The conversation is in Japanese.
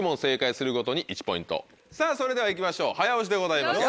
さぁそれでは行きましょう早押しでございます。